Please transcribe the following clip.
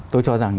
tôi cho rằng